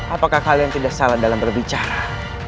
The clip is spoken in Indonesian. apakah kalian tidak salah dalam berbicara